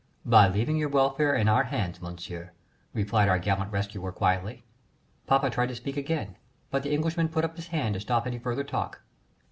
"By leaving your welfare in our hands, Monsieur," replied our gallant rescuer quietly. Papa tried to speak again, but the Englishman put up his hand to stop any further talk.